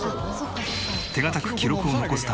手堅く記録を残すため